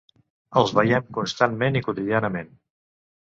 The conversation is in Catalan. Els veiem constantment i quotidianament.